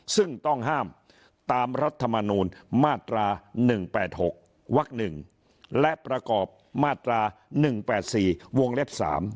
ซึ่งต้องห้ามตามรัฐมนูลมาตรา๑๘๖วัก๑และประกอบมาตรา๑๘๔วงเล็บ๓